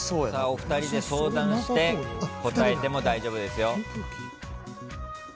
お二人で相談して答えても大丈夫ですよ。